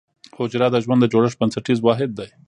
حجره د ژوند د جوړښت بنسټیز واحد دی